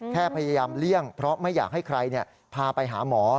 พยายามเลี่ยงเพราะไม่อยากให้ใครพาไปหาหมอ